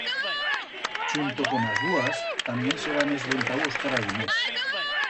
Chunto con as búas tamién s'heban esventau os carabiners.